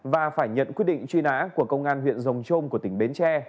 và phải nhận quyết định truy nã của công an huyện rồng trôm của tỉnh bến tre